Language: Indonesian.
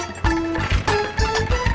kamu kan lagi cari tempat magang